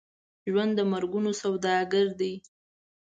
ژوند د مرګونو سوداګر دی.